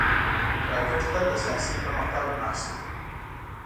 راکټ تل د ساینسي پرمختګ نښه وي